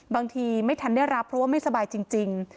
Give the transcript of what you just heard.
ไม่ทันได้รับเพราะว่าไม่สบายจริง